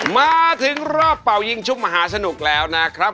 มาถึงรอบเป่ายิงชุบมหาสนุกแล้วนะครับ